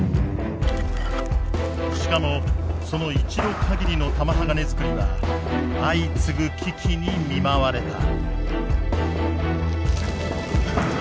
しかもその１度かぎりの玉鋼づくりは相次ぐ危機に見舞われた。